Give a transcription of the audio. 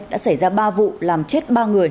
đã xảy ra ba vụ làm chết ba người